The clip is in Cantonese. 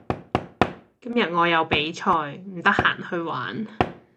今日我有比賽，唔得閒去玩